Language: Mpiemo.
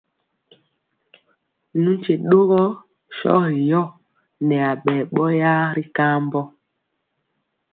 Nu nkye ɗɔgɔ sɔgi ɔ nɛ aɓɛ ɓɔyaa ri kambɔ.